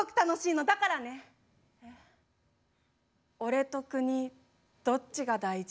「俺と国どっちが大事？」